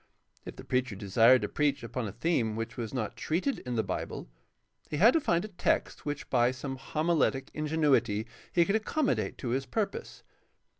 If the preacher desired to preach upon a theme which was not treated in the Bible he had to find a text which by some homiletic ingenuity he could accommodate to his purpose.